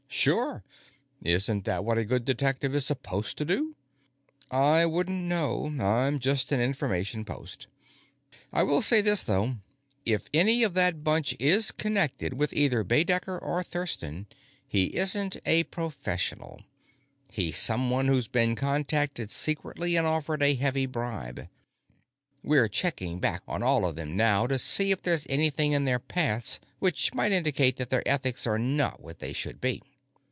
"Sure. Isn't that what a good detective is supposed to do?" "I wouldn't know; I'm just an information post. I will say this, though: If any of that bunch is connected with either Baedecker or Thurston, he isn't a professional. He's someone who's been contacted secretly and offered a heavy bribe. We're checking back on all of them now, to see if there's anything in their pasts which might indicate that their ethics are not what they should be.